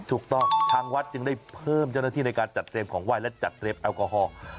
ถูกต้องทางวัดจึงได้เพิ่มเจ้าหน้าที่ในการจัดเตรียมของไหว้และจัดเตรียมแอลกอฮอล์